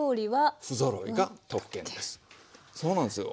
そうなんですよ。